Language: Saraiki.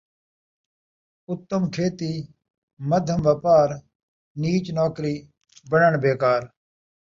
اُتم کھیتی، مدھم وپار، نیچ نوکری، پنݨ بے کار